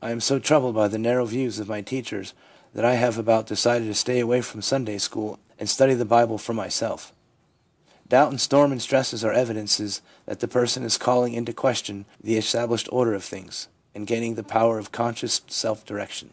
I am so troubled by the narrow views of my teachers that I have about decided to stay away from Sunday school and study the Bible for myself/ Doubt and storm and stress are evidences that the person is calling into question the established order of things, and gaining the power of conscious self direction.